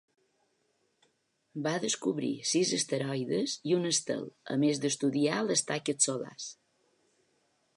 Va descobrir sis asteroides i un estel, a més d'estudiar les taques solars.